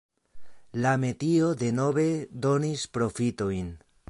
La metio denove donis profitojn.